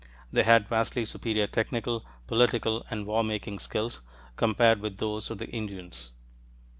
They had vastly superior technical, political, and war making skills, compared with those of the Indians.